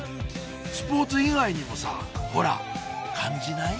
スポーツ以外にもさほら感じない？